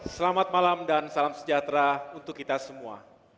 selamat malam dan salam sejahtera untuk kita semua